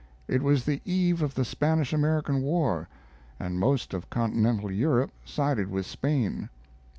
It was the eve of the Spanish American War and most of continental Europe sided with Spain.